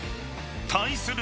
［対する